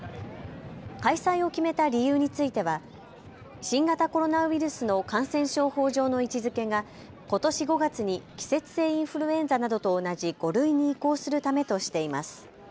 開催を決めた理由については新型コロナウイルスの感染症法上の位置づけがことし５月に季節性インフルエンザなどと同じ５類に移行するためとしています。